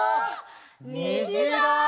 にじだ！